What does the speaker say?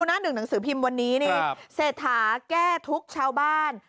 คุณหน้าหนึ่งหนังสือพิมพ์วันนี้เนี้ยครับเศรษฐาแก้ทุกชาวบ้าน